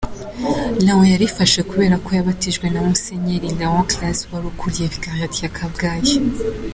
Léon yarifashe kubera ko yabatijwe na Musenyeri Léon Classe wari ukuriye vicariat ya Kabgayi.